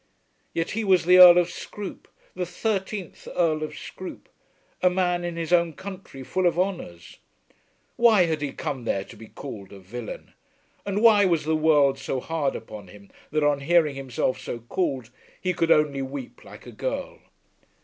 Yet he was the Earl of Scroope, the thirteenth Earl of Scroope, a man in his own country full of honours. Why had he come there to be called a villain? And why was the world so hard upon him that on hearing himself so called he could only weep like a girl?